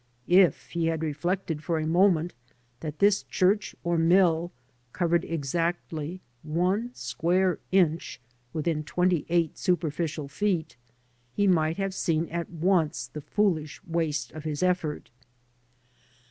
If he had reflected for a moment that this church or mill covered exactly one square inch within twenty eight superficial feet, he might have seen at once the foolish waste of his effort.